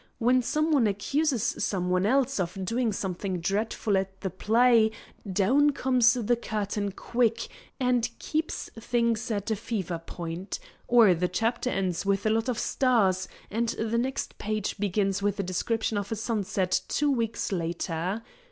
When some one accuses some one else of doing something dreadful at the play, down comes the curtain quick and keeps things at fever point, or the chapter ends with a lot of stars, and the next page begins with a description of a sunset two weeks later.